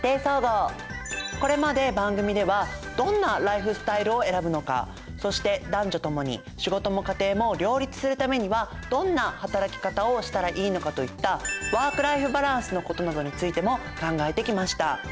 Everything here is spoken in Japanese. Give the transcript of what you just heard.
これまで番組ではどんなライフスタイルを選ぶのかそして男女ともに仕事も家庭も両立するためにはどんな働き方をしたらいいのかといったワーク・ライフ・バランスのことなどについても考えてきました。